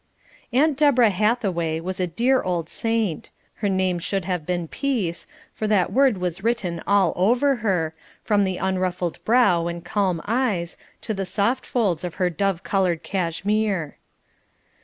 Aunt Deborah Hathaway was a dear old saint. Her name should have been "Peace," for that word was written all over her, from the unruffled brow and calm eyes, to the soft folds of her dove coloured cashmere.